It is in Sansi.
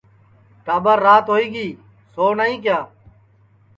ٹاٻر رات ہوئی گی سؤ نائی کیا